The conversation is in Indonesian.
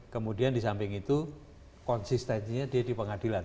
kemudian di samping itu konsistensinya dia di pengadilan